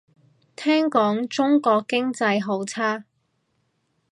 聽講中國經濟好差